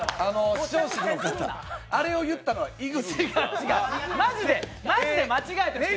視聴者の方、あれを言ったのは井口です。